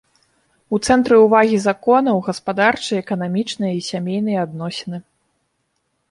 У цэнтры ўвагі законаў гаспадарчыя, эканамічныя і сямейныя адносіны.